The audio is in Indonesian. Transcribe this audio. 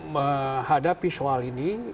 menghadapi soal ini